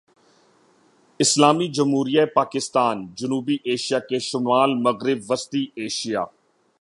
اسلامی جمہوریہ پاکستان جنوبی ایشیا کے شمال مغرب وسطی ایشیا